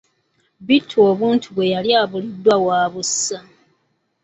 Bittu obuntu bwe yali abuliddwa waabussa.